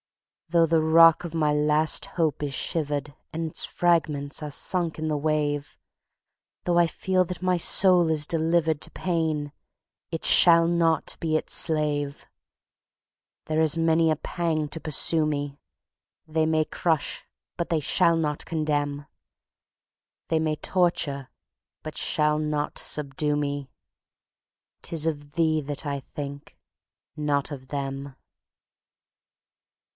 Though the rock of my last hope is shivered, And its fragments are sunk in the wave, Though I feel that my soul is deliveredTo pain—it shall not be its slave. There is many a pang to pursue me:They may crush, but they shall not contemn; They may torture, but shall not subdue me;'Tis of thee that I think—not of them.